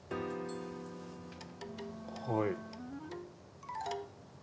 はい。